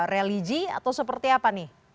religi atau seperti apa nih